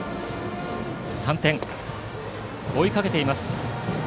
３点追いかけています。